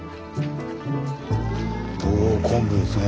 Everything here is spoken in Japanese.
お昆布ですね。